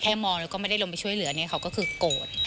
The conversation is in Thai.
แค่มองแล้วก็ไม่ได้ลมไปช่วยเหลืออะไรอย่างนี้เขาก็คือโกรธ